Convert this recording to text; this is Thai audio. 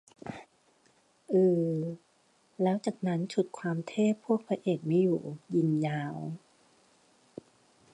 อือ แล้วจากนั้นฉุดความเทพพวกพระเอกไม่อยู่ ยิงยาว